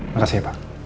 makasih ya pak